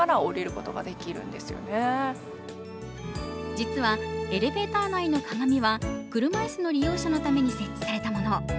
実は、エレベーター内の鏡は車椅子の利用者のために設置されたもの。